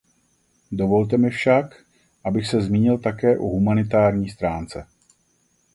Dovolte mi však, abych se zmínil také o humanitární stránce.